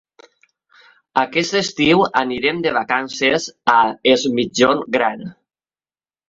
Aquest estiu anirem de vacances a Es Migjorn Gran.